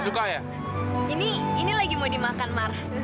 oh ya aku maunya bertiga gimana